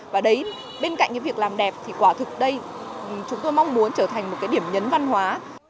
và bên cạnh việc làm đẹp thì quả thực đây chúng tôi mong muốn trở thành một điểm nhấn văn hóa